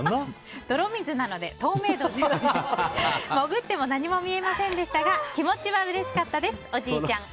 泥水なので透明度ゼロで潜っても何も見えませんでしたが気持ちは嬉しかったです。